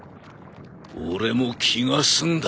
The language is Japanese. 俺も気が済んだ。